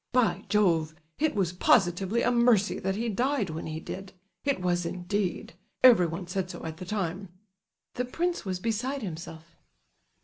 By Jove! it was positively a mercy that he died when he did—it was indeed—everyone said so at the time." The prince was beside himself.